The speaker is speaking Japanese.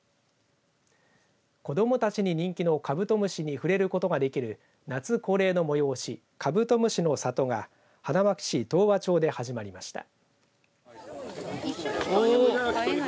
子どもたちに人気のカブトムシに触れることができる夏恒例の催し、カブト虫の里が花巻市東和町で始まりました。